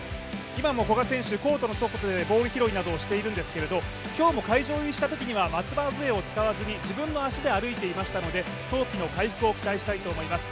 今も古賀選手、コートの外でボール拾いをしているんですが、今日も会場入りしたときには松葉づえを使わずに自分の足で歩いていましたので早期の回復を期待したいと思います。